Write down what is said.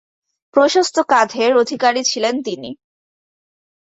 প্রশস্ত কাঁধের অধিকারী ছিলেন তিনি।